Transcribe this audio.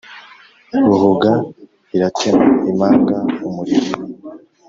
Ruhuga iratema imanga-Umuriro.